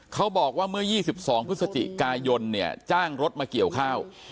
เขาบอกว่าเมื่อ๒๒พฤศจิกายนเนี่ยจ้างรถมาเกี่ยวข้าว